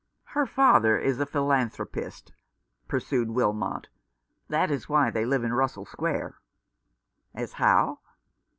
" Her father is a philanthropist," pursued Wilmot "That is why they live in Russell Square." "As how?"